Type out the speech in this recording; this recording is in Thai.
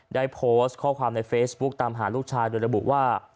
ได้โพสต์ข้อความในเฟซบุ๊คตามหาลูกชายโดยระบุว่า